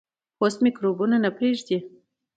پوست میکروبونه نه پرېږدي.